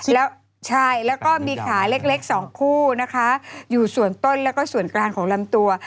แล้วใช่แล้วก็มีขาเล็กสองคู่นะคะอยู่ส่วนต้นแล้วก็ส่วนกลางของลำตัว